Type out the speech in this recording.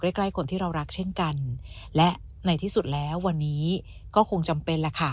ใกล้คนที่เรารักเช่นกันและในที่สุดแล้ววันนี้ก็คงจำเป็นแหละค่ะ